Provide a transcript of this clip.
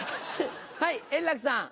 はい円楽さん。